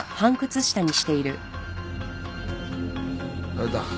あれだ。